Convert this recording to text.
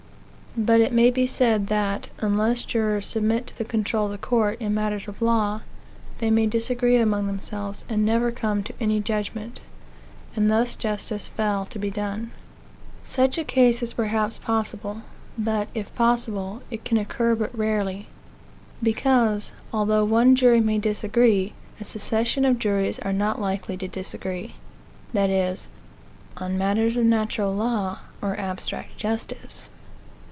But it may be said that, unless jurors submit to the control of the court, in matters of law, they may disagree amongthemselves, and never come to any judgment; and thus justice fail to be done. Such a case is perhaps possible; but, if possible, it can occur but rarely; because, although one jury may disagree, a succession of juries are not likely to disagree that is, on matters of natural law, or abstract justice.